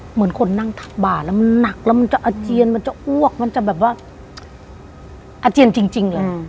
เหมือนคนนั่งทักบาทแล้วมันหนักแล้วมันจะอาเจียนมันจะอ้วกมันจะแบบว่าอาเจียนจริงเลย